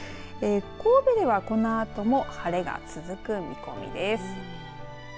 神戸ではこのあとも晴れが続く見込みです。